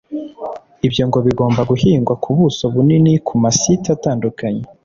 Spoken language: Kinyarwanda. Ibyo ngo bigomba guhingwa ku buso bunini ku ma site atandukanye